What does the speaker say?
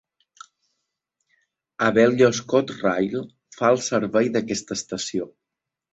Abellio ScotRail fa el servei d'aquesta estació.